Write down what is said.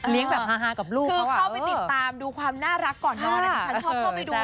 เลี้ยงแบบฮากับลูกเขาอะคือเข้าไปติดตามดูความน่ารักก่อนนอนนะที่ชอบเข้าไปดูนะ